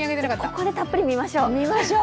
ここでたっぷり見ましょう。